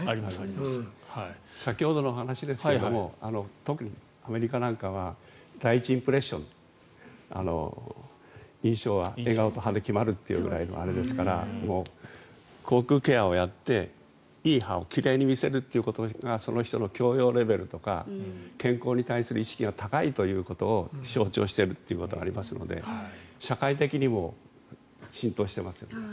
先ほどの話ですが特にアメリカなんかは第一インプレッション、印象は笑顔と歯で決まるというぐらいのあれですから口腔ケアをやって、いい歯を奇麗に見せるということがその人の教養レベルとか健康に対する意識が高いということを象徴しているということがありますので社会的にも浸透していますよね。